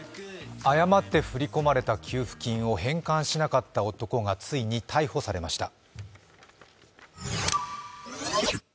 誤って振り込まれた給付金を返還しなかった男がついに逮捕されました。